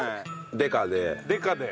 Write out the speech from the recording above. デカで？